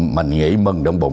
mình nghỉ mừng động bụng